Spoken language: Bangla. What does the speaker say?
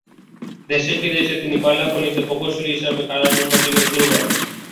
দেশে ফিরে এসে তিনি কয়লা খনিতে প্রকৌশলী হিসেবে কর্মজীবন শুরু করেন।